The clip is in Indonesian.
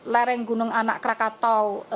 lereng gunung anak krakatau